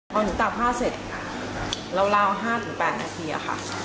พอหนูตากผ้าเสร็จราว๕๘นาทีค่ะ